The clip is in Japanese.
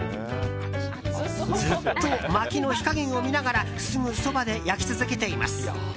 ずっと、まきの火加減を見ながらすぐそばで焼き続けています。